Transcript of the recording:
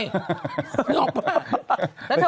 ไม่รู้ไหม